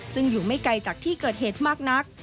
ซึ่งอยู่ไม่ไกลจากที่เกิดเหตุมากนัก